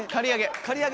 刈り上げ！